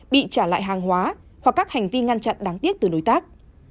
bị trả lại hàng hóa hoặc các hành vi ngăn chặn đáng tiếc từ đối tác